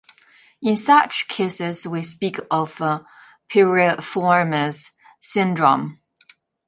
In such cases, we speak of piriformis syndrome.